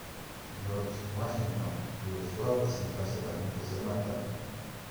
George Washington rehusó a presentarse para un tercer mandato.